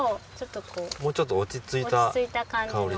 もうちょっと落ち着いた香りです。